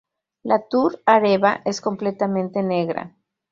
La Tour Areva es completamente negra.